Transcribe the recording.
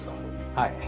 はい。